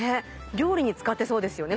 料理に使ってそうですよね